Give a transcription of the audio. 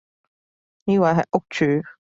呢位係屋主